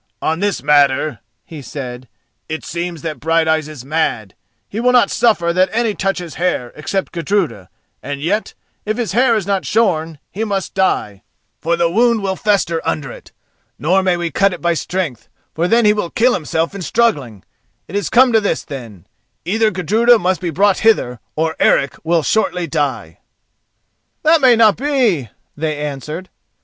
"On this matter," he said, "it seems that Brighteyes is mad. He will not suffer that any touch his hair, except Gudruda, and yet, if his hair is not shorn, he must die, for the wound will fester under it. Nor may we cut it by strength, for then he will kill himself in struggling. It is come to this then: either Gudruda must be brought hither or Eric will shortly die." "That may not be," they answered.